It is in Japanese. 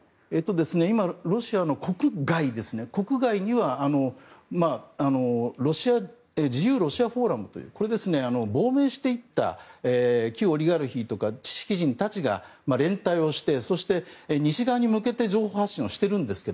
今、ロシアの国外には自由ロシアフォーラムという亡命していった旧オリガルヒとか知識人たちが連帯をしてそして、西側に向けて情報発信をしているんですが。